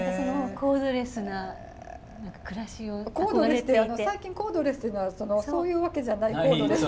コードレスってあの最近コードレスっていうのはそういうわけじゃないコードレス。